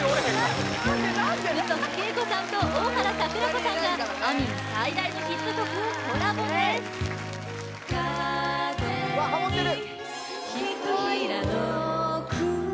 宇徳敬子さんと大原櫻子さんがあみん最大のヒット曲をコラボです・うわハモってる・